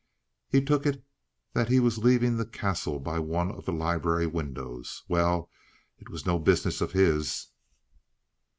He took it that he was leaving the Castle by one of the library windows. Well, it was no business of his.